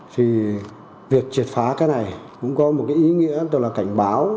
thì việc triệt phá cái này cũng có một ý nghĩa tựa là cảnh báo